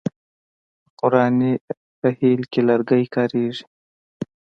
په قرآني رحل کې لرګی کاریږي.